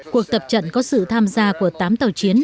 cuộc tập trận có sự tham gia của tám tàu chiến